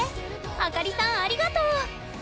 あかりさんありがとう！